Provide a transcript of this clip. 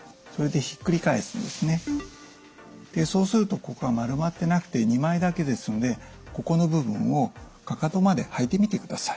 そうするとここが丸まってなくて２枚だけですのでここの部分をかかとまで履いてみてください。